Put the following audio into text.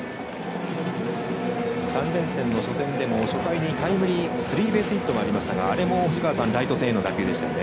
３連戦の初戦でも初回にタイムリースリーベースヒットがありましたがあれもライト線への打球でしたね。